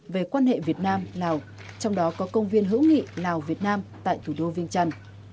về quan hệ việt nam lào trong đó có công viên hữu nghị lào việt nam tại thủ đô viên trăn